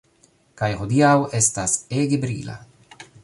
Kaj hodiaŭ estas ege brila